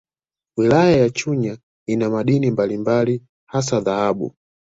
Wilaya ya Chunya ina madini mbalimbali hasa dhahabu